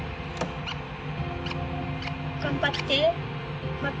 頑張って。